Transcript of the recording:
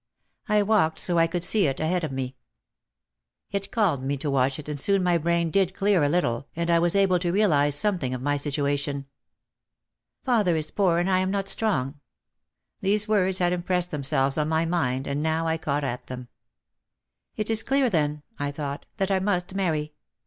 I walked so I could see it ahead of me. It calmed me to watch it and soon my brain did clear a little and I was able to realise something of my situation. "Father is poor and I am not strong." These words had impressed themselves on my mind and now I caught at them. "It is clear then," I thought, "that I must marry.